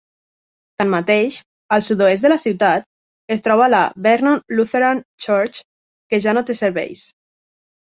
Tanmateix, al sud-oest de la ciutat, es troba la Vernon Lutheran Church, que ja no té serveis.